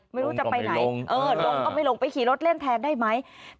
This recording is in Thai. ไม่รู้จะไปไหนลงก็ไม่ลงไปขี่รถเล่นแทนได้ไหม